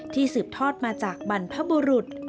สืบทอดมาจากบรรพบุรุษ